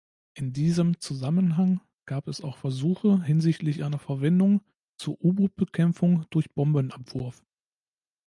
In diesem Zusammenhang gab es auch Versuche hinsichtlich einer Verwendung zur U-Boot-Bekämpfung durch Bombenabwurf.